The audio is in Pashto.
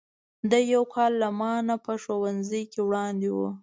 دی یو کال له ما نه په ښوونځي کې وړاندې و.